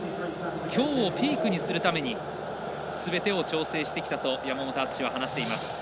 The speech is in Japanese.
きょうをピークにするためにすべてを調整してきたと山本篤は話しています。